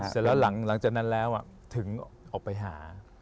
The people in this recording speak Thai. เสร็จแล้วหลังจากนั้นแล้วถึงออกไปหา